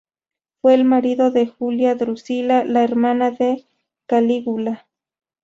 Fue el marido de Julia Drusila, la hermana de Calígula.